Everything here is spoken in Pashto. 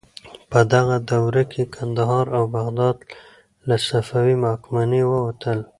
په دغه دوره کې کندهار او بغداد له صفوي واکمنۍ ووتل.